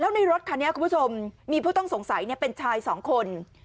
แล้วในรถคันนี้คุณผู้ชมมีผู้ต้องสงสัยเป็นชายสองคน